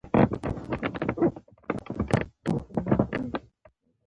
د پوهنتون ماحول په ليدلو سره زه پوه شوم.